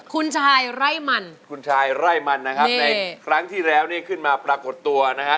คุณชายไรมันนะครับในครั้งที่แล้วนี้ขึ้นมาประกอบตัวนะคะ